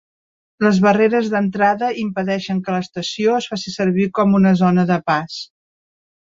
Les barreres d'entrada impedeixen que l'estació es faci servir com una zona de pas.